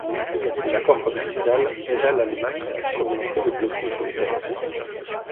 L'accord commercial aida l'Allemagne à surmonter le blocus britannique.